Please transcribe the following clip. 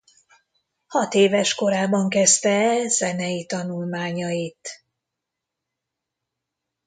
Hatéves korában kezdte el zenei tanulmányait.